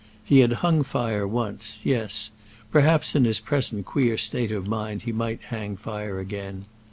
He had hung fire once, yes; perhaps, in his present queer state of mind, he might hang fire again.